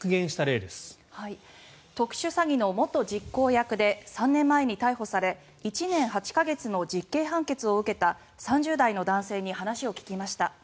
特殊詐欺の元実行役で３年前に逮捕され１年８か月の実刑判決を受けた３０代の男性に話を聞きました。